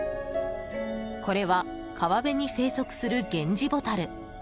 これは川辺に生息するゲンジボタル。